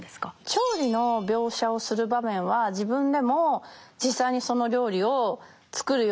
調理の描写をする場面は自分でも実際にその料理を作るようにします。